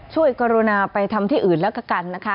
กรุณาไปทำที่อื่นแล้วก็กันนะคะ